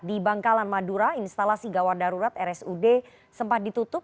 di bangkalan madura instalasi gawat darurat rsud sempat ditutup